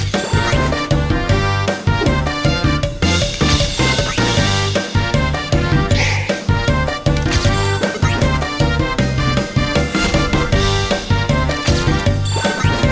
สวัสดีค่ะคุณผู้ชมที่รักค่ะ